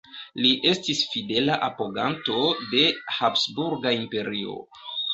Li estis fidela apoganto de habsburga Imperio.